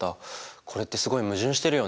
これってすごい矛盾してるよね。